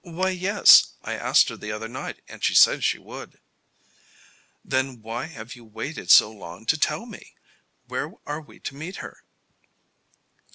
"Why, yes. I asked her the other night and she said she would." "Then, why have you waited so long to tell me. Where are we to meet her?"